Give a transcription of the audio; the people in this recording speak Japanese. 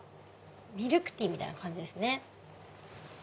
ミルクティーみたいな感じですね。